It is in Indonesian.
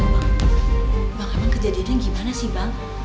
bang bang bang emang kejadiannya gimana sih bang